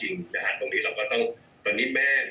มันจะดูแลนางแบบนี้กันเลยถ้าค่อยเขาอาจจะท้ายต่างใต้